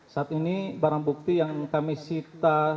saat ini barang bukti yang kami sita